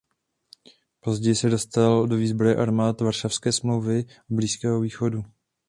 Později se dostal i do výzbroje armád Varšavské smlouvy a Blízkého východu.